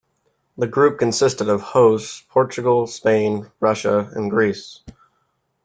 The group consisted of hosts Portugal, Spain, Russia and Greece.